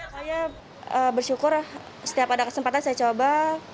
saya bersyukur setiap ada kesempatan saya coba